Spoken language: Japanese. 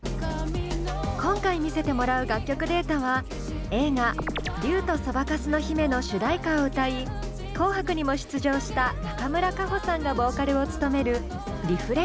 今回見せてもらう楽曲データは映画「竜とそばかすの姫」の主題歌を歌い紅白にも出場した中村佳穂さんがボーカルを務める「ＲＥＦＬＥＣＴＩＯＮ」。